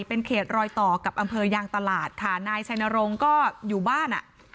เป็นเขตรอยต่อกับอำเภอยางตลาดค่ะนายชัยนรงค์ก็อยู่บ้านอ่ะ